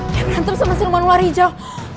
dia berantem sama siluman ular hijau